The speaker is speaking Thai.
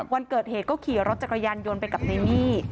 วันเกิดเหตุก็ขี่รถจักรยานยนต์ไปกับในมี่